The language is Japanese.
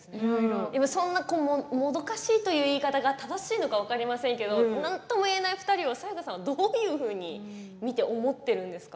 そんなもどかしいという言い方が正しいのか分かりませんけど何とも言えないお二人をサヤカさんはどういうふうに見て思っているんですか？